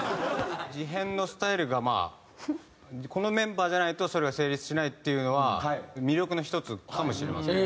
事変のスタイルがまあこのメンバーじゃないとそれは成立しないっていうのは魅力の１つかもしれません。